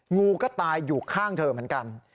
งูก็ตายอยู่ข้างเธอเหมือนกัน